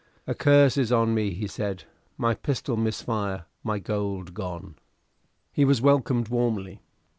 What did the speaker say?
"A curse is on me," he said. "My pistol miss fire: my gold gone." He was welcomed warmly.